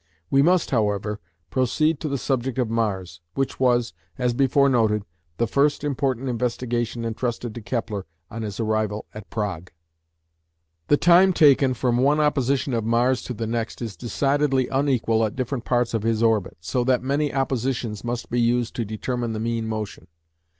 We must, however, proceed to the subject of Mars, which was, as before noted, the first important investigation entrusted to Kepler on his arrival at Prague. The time taken from one opposition of Mars to the next is decidedly unequal at different parts of his orbit, so that many oppositions must be used to determine the mean motion.